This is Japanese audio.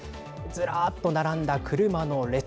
ずらっと並んだ車の列。